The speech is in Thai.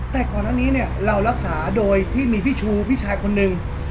แต่ก่อนอันนี้เนี่ยเรารักษาโดยที่มีพี่ชูพี่ชายคนหนึ่ง